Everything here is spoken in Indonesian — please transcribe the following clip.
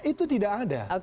itu tidak ada